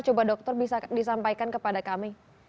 coba dokter bisa disampaikan kepada kami